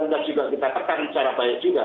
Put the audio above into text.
dan juga kita tekan secara baik juga